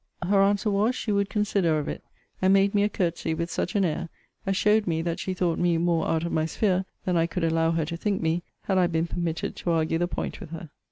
Her answer was, she would consider of it: and made me a courtesy with such an air, as showed me that she thought me more out of my sphere, than I could allow her to think me, had I been permitted to argue the point with her.